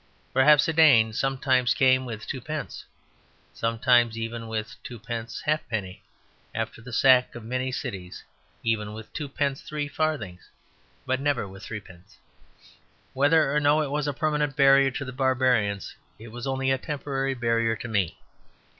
Perhaps a Dane sometimes came with twopence, sometimes even with twopence halfpenny, after the sack of many cities even with twopence three farthings; but never with threepence. Whether or no it was a permanent barrier to the barbarians it was only a temporary barrier to me.